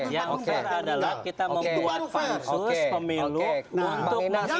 yang fair adalah kita membuat pansus pemilu untuk menjaga